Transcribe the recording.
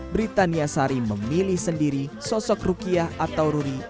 britania sari memilih sendiri sosok rukiah atau ruri